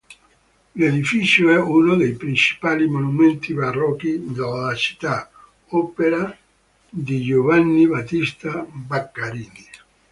L'edificio è uno dei principali monumenti barocchi della città, opera di Giovanni Battista Vaccarini.